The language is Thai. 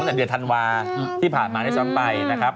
ตั้งแต่เดือดธันวาที่ผ่านมาในส่วนไปนะครับ